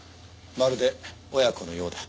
まるで親子のようだ。